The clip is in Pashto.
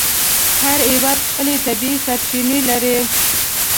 هر هېواد خپلې طبیعي سرچینې لري.